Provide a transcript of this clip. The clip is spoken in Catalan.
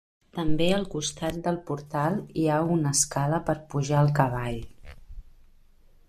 També, al costat del portal, hi ha una escala per pujar al cavall.